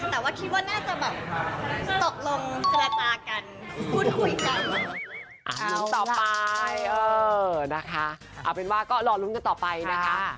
แต่ว่าคิดว่าน่าจะตกลงกระจากันคุ้นคุยกัน